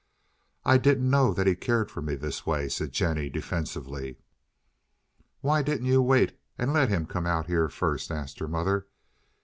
"I didn't know that he cared for me this way," said Jennie defensively. "Why didn't you wait and let him come out here first?" asked her mother.